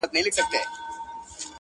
چا له بېري هلته سپوڼ نه سو وهلاى،